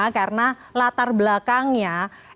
karena latar belakangnya